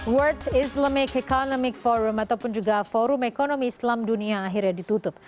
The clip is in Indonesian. world islamic economic forum ataupun juga forum ekonomi islam dunia akhirnya ditutup